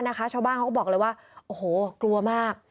ชาวบ้านนะคะชาวบ้านเขาก็บอกเลยว่าโอ้โหกลัวมาก